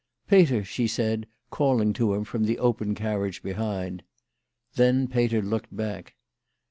" Peter," she said, calling to him from the open carriage behind. Then Peter looked back.